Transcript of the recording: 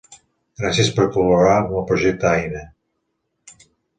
Gràcies per col·laborar amb el projecte Aina!